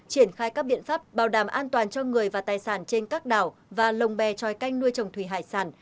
triển khai các biện pháp bảo đảm an toàn cho người và tài sản trên các đảo và lồng bè tròi canh nuôi trồng thủy hải sản